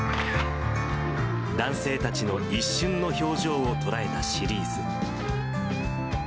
男性たちの一瞬の表情を捉えたシリーズ。